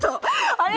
あれ！